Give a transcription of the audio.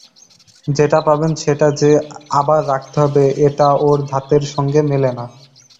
যেটা পাবেন সেটা যে আবার রাখতে হবে এটা ওঁর ধাতের সঙ্গে মেলে না।